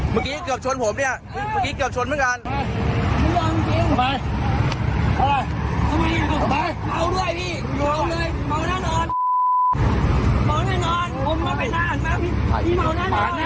เมื่อกี้เกือบชนผมเนี่ยเมื่อกี้เกือบชนเหมือนกัน